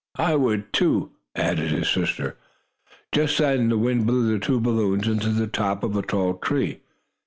"I would, too," added his sister. Just then the wind blew the two balloons into the top of a tall tree.